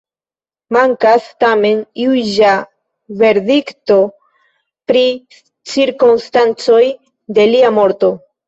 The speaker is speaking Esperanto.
Mankas tamen juĝa verdikto pri cirkonstancoj de lia morto.